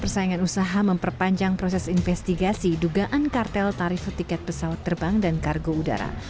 persaingan usaha memperpanjang proses investigasi dugaan kartel tarif tiket pesawat terbang dan kargo udara